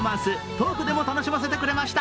トークでも楽しませてくれました。